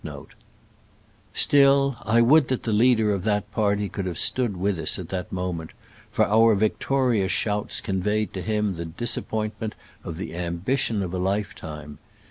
* Still, I would that the leader of that party could have stood with us at that moment, for our victorious shouts con veyed to him the disappointment of the ambition of a Hfetime.